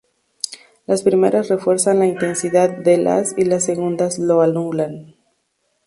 Las primeras refuerzan la intensidad del haz y las segundas lo anulan.